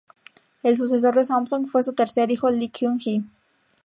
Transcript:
El sucesor de Samsung fue su tercer hijo Lee Kun-hee.